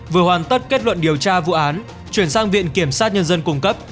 vừa hoàn tất kết luận điều tra vụ án chuyển sang viện kiểm sát nhân dân cung cấp